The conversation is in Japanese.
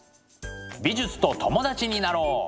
美術と友達になろう！